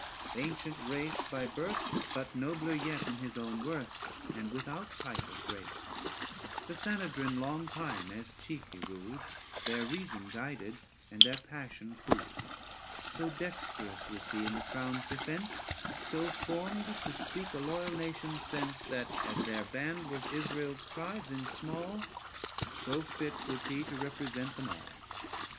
Of ancient race by birth, but nobler yet 900 In his own worth and without title great: The Sanhedrin long time as chief he ruled, Their reason guided and their passion cooled: So dexterous was he in the Crown's defence, So formed to speak a loyal nation's sense, 905 That, as their band was Israel's tribes in small, So fit was he to represent them all.